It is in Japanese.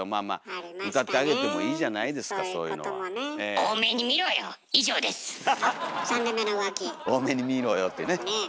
「大目にみろよ」ってね。